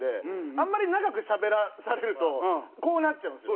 あんまり長くしゃべらされるとこうなっちゃうんですよ。